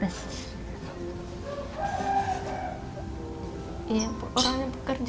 terima kasih pak halil